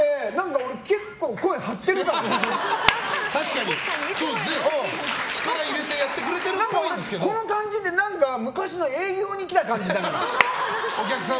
俺、この感じって昔の営業に来た感じだもん。